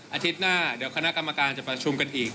อาทิตย์หน้าเดี๋ยวคณะกรรมการจะประชุมกันอีก